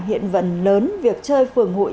hiện vận lớn việc chơi phường hội